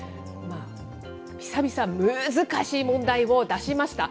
久々、難しい問題を出しました。